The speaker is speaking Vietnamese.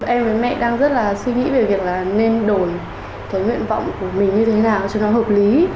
em với mẹ đang rất là suy nghĩ về việc là nên đổi cái nguyện vọng của mình như thế nào cho nó hợp lý